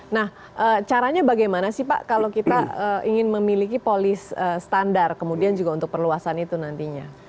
nah caranya bagaimana sih pak kalau kita ingin memiliki polis standar kemudian juga untuk perluasan itu nantinya